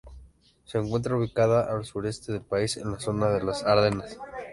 Se encuentra ubicada al sureste del país, en la zona de las Ardenas.